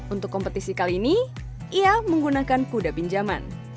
untuk kompetisi kali ini ia menggunakan kuda pinjaman